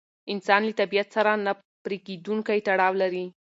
انسان له طبیعت سره نه پرېکېدونکی تړاو لري.